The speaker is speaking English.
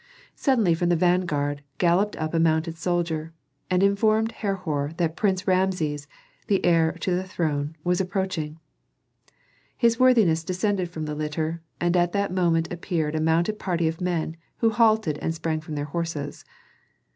Suddenly from the vanguard galloped up a mounted soldier and informed Herhor that Prince Rameses, the heir to the throne, was approaching. His worthiness descended from the litter, and at that moment appeared a mounted party of men who halted and sprang from their horses.